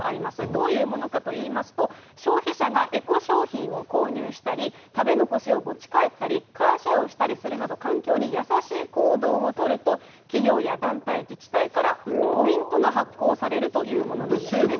どういうものかといいますと、消費者がエコ商品を購入したり、食べ残しを持ち帰ったり、カーシェアをしたりするなど、環境にやさしい行動を取ると、企業や団体、自治体からポイントが発行されるというものなんですね。